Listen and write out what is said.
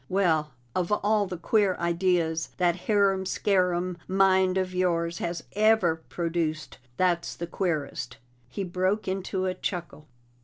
"Well, of all the queer ideas that harum scarum mind of yours has ever produced, that's the queerest!" He broke into a chuckle.